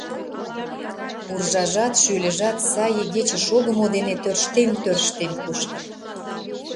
Уржажат, шӱльыжат сай игече шогымо дене тӧрштен-тӧрштен кушкын.